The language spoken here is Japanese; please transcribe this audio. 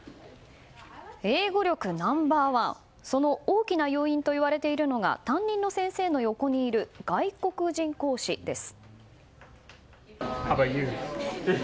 英語力ナンバ−１その大きな要因といわれているのが担任の先生の横にいる外国人講師です。